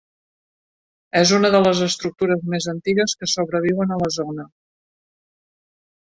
És una de les estructures més antigues que sobreviuen a la zona.